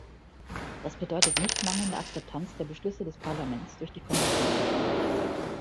Das bedeutet nicht mangelnde Akzeptanz der Beschlüsse des Parlaments durch die Kommission.